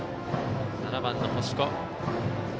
７番の星子。